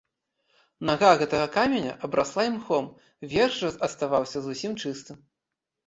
Нага гэтага каменя абрасла імхом, верх жа аставаўся зусім чыстым.